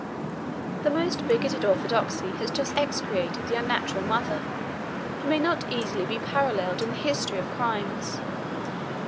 ] The most bigoted orthodoxy has justly execrated the unnatural mother, who may not easily be paralleled in the history of crimes.